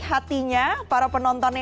hatinya para penontonnya